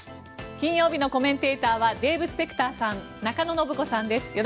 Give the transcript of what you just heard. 金曜日のコメンテーターはデーブ・スペクターさん中野信子さんです。